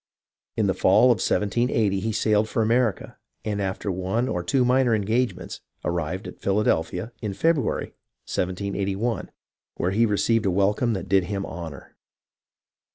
In the fall of 1780 he sailed for America, and after one or two minor engagements, arrived at Philadelphia in February, 1781, where he received a welcome that did him honour.